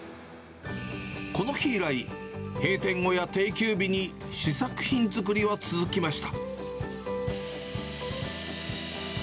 この日以来、閉店後や定休日に試作品作りは続きました。